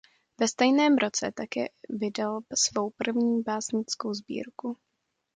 Ve stejném roce také vydal svou první básnickou sbírku.